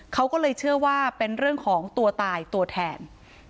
เขาก็เลยเชื่อว่าเป็นเรื่องของตัวตายตัวแทน